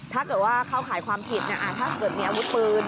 ถ้าเกิดว่าเข้าข่ายความผิดถ้าเกิดมีอาวุธปืน